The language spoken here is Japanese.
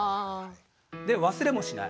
で忘れもしない。